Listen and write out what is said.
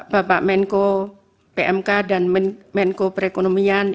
bapak menko pmk dan menko perekonomian